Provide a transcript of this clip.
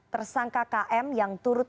tersangka km yang turut